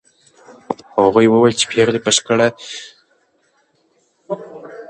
هغوی وویل چې پېغلې په جګړه کې شاملي وې.